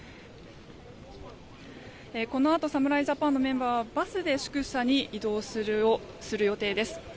このあと侍ジャパンのメンバーはバスで宿舎に移動する予定です。